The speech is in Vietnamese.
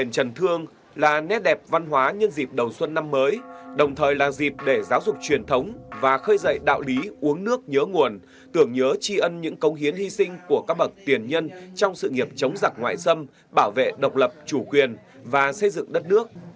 đền trần thương là nét đẹp văn hóa nhân dịp đầu xuân năm mới đồng thời là dịp để giáo dục truyền thống và khơi dậy đạo lý uống nước nhớ nguồn tưởng nhớ tri ân những công hiến hy sinh của các bậc tiền nhân trong sự nghiệp chống giặc ngoại xâm bảo vệ độc lập chủ quyền và xây dựng đất nước